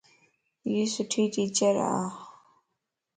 ائي سُٺي ٽيچر ا